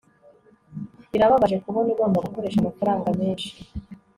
birababaje kubona ugomba gukoresha amafaranga menshi